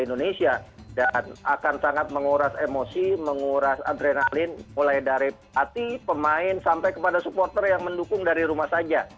dan akan sangat menguras emosi menguras adrenalin mulai dari hati pemain sampai kepada supporter yang mendukung dari rumah saja